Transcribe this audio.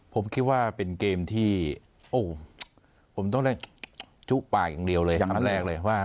ผมคิดว่าเป็นเกมที่โอ้โหผมต้องได้จุปากอย่างเดียวเลยครั้งแรกเลยว่า